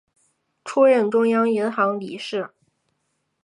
出任中央银行理事。